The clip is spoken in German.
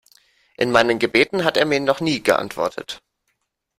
In meinen Gebeten hat er mir noch nie geantwortet.